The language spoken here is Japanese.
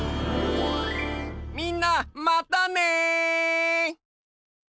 みんなまたね！